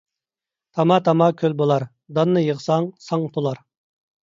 تاما - تاما كۆل بولار ، داننى يىغساڭ ساڭ تولار.